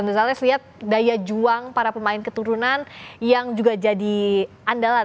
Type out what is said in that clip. misalnya saya lihat daya juang para pemain keturunan yang juga jadi andalan